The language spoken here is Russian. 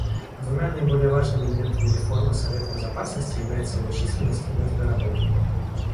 Двумя наиболее важными элементами реформы Совета Безопасности являются его численность и методы работы.